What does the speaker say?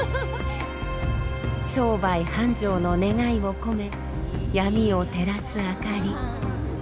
商売繁盛の願いを込め闇を照らす灯り。